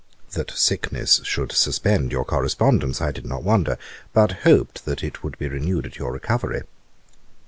'That sickness should suspend your correspondence, I did not wonder; but hoped that it would be renewed at your recovery.